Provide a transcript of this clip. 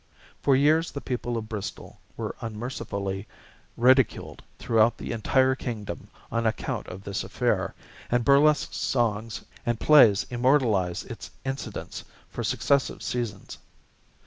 For years, the people of Bristol were unmercifully ridiculed throughout the entire Kingdom on account of this affair, and burlesque songs and plays immortalized its incidents for successive seasons.